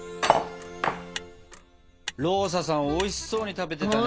ローサさんおいしそうに食べてたね！